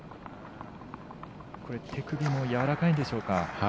手首もやわらかいんでしょうか。